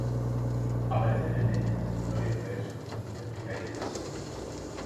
Aparecen en las leyendas e historias de varias culturas de África y Eurasia.